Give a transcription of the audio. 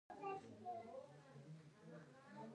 آیا عالي قاپو ماڼۍ هلته نشته؟